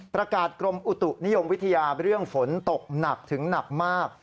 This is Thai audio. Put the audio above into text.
กรมอุตุนิยมวิทยาเรื่องฝนตกหนักถึงหนักมาก